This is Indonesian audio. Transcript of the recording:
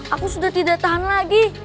aku sudah tidak tahan lagi